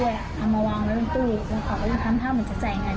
เอามาวางในตู้เขาก็ทำท่าเหมือนจะจ่ายเงิน